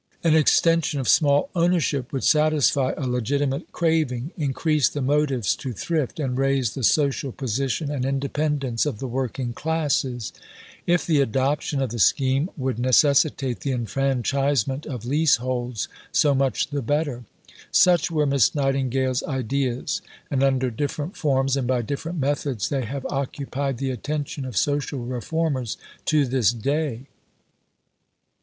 An extension of small ownership would satisfy a legitimate craving, increase the motives to thrift, and raise the social position and independence of the working classes. If the adoption of the scheme would necessitate the enfranchisement of leaseholds, so much the better. Such were Miss Nightingale's ideas, and under different forms and by different methods they have occupied the attention of social reformers to this day.